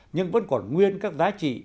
nhưng vẫn còn nguyên các giá trị